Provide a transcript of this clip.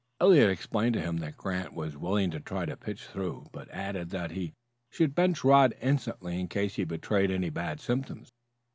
Eliot explained to him that Grant was willing to try to pitch it through, but added that he should bench Rod instantly in case he betrayed any bad symptoms.